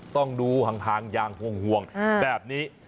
ต้องดูห่างอย่างห่วงแบบนี้